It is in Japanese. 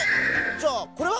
じゃあこれは？